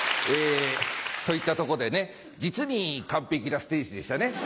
といったとこで実に完璧なステージでしたね。